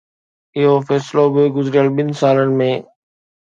اهو فيصلو به گذريل ٻن سالن ۾